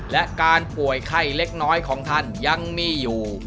และการป่วยไข้เล็กน้อยของท่านยังมีอยู่